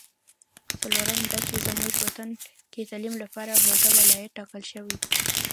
څلورم دا چې زمونږ وطن کې تعلیم لپاره حوزه ولایت ټاکل شوې ده